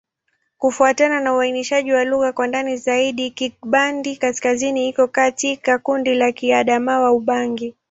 Kufuatana na uainishaji wa lugha kwa ndani zaidi, Kingbandi-Kaskazini iko katika kundi la Kiadamawa-Ubangi.